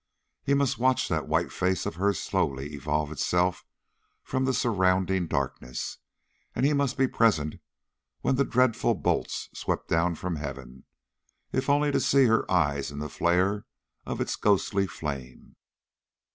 He must watch that white face of hers slowly evolve itself from the surrounding darkness, and he must be present when the dreadful bolt swept down from heaven, if only to see her eyes in the flare of its ghostly flame.